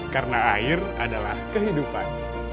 karena air adalah kehidupan